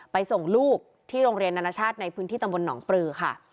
ส่งลูกที่โรงเรียนนานาชาติในพื้นที่ตำบลหนองปลือค่ะ